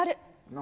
何？